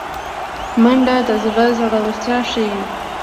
منډه د زړه زړورتیا ښيي